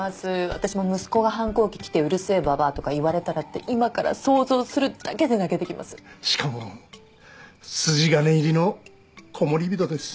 私も息子が反抗期きて「うるせえばばあ」とか言われたらって今から想像するだけで泣けてきますしかも筋金入りのコモリビトです